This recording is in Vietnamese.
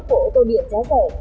của ô tô điện giá rẻ